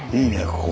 ここ。